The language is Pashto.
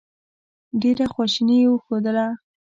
ډېره خواشیني یې ښودله.